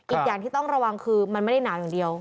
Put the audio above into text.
อีกอย่างที่ต้องระวังคือมันไม่ได้หนาวอย่างเดียว